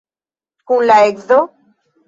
Kun la edzo?